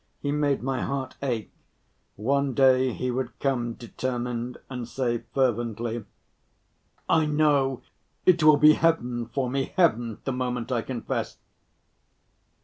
He made my heart ache. One day he would come determined and say fervently: "I know it will be heaven for me, heaven, the moment I confess.